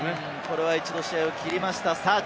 一度試合を切りました。